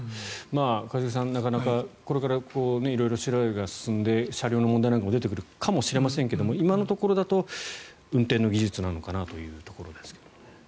一茂さん、なかなかこれから調べが色々進んで車両の問題なんかも出てくるかもしれませんが今のところだと運転の技術なのかなというところですが。